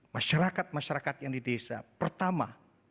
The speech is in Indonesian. masyarakat masyarakat yang di desa pertama